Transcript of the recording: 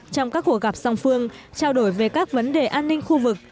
trong các cuộc gặp song phương trao đổi về các vấn đề an ninh khu vực